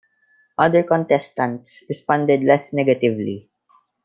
Other contestants responded less negatively.